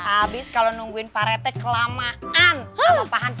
abis kalau nungguin parete kelamaan